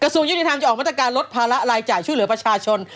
ส่วนยุติธรรมจะออกมาตรการลดภาระรายจ่ายช่วยเหลือประชาชน